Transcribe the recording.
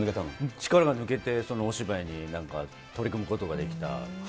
力が抜けて、そのお芝居に取り組むことができた。